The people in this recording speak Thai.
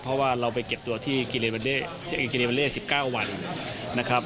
เพราะว่าเราไปเก็บตัวที่อิงกิเลเวอเล่๑๙วันนะครับ